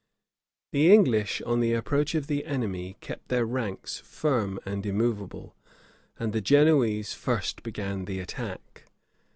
The English, on the approach of the enemy, kept their ranks firm and immovable; and the Genoese first began the attack.